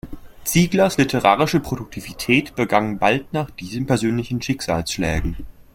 Zieglers literarische Produktivität begann bald nach diesen persönlichen Schicksalsschlägen.